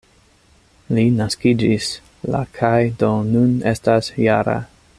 Li naskiĝis la kaj do nun estas -jara.